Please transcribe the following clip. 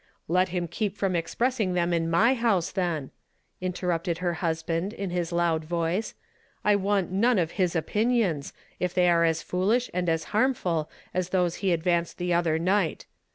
" Let him keep from expressing them in my house, then," interrupted her hu(=hand, in his loud voice. " I want none of his o )ns, if they are as foolish and harmful as those 1;'^ advanced the other night.